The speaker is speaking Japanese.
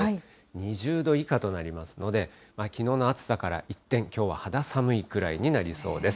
２０度以下となりますので、きのうの暑さから一転、きょうは肌寒いくらいになりそうです。